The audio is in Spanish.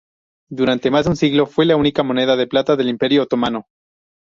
Durante más de un siglo, fue la única moneda de plata del Imperio otomano.